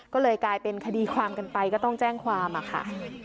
ก็เลยกลายเป็นคดีความกันไปก็ต้องแจ้งความอะค่ะ